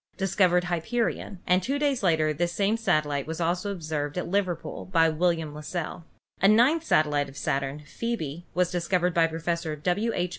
discovered Hyperion, and two days later this same satellite was also observed at Liverpool by William Las sell. A ninth satellite of Saturn, Phcebe, was discovered by Professor W. H.